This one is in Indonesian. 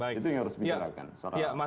itu yang harus dibilang